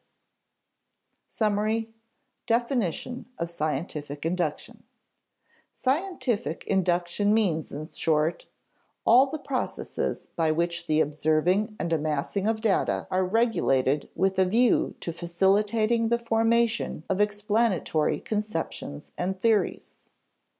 [Sidenote: Summary: definition of scientific induction] Scientific induction means, in short, _all the processes by which the observing and amassing of data are regulated with a view to facilitating the formation of explanatory conceptions and theories_.